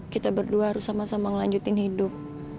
kita berdua harus sama sama ngelanjutin hidup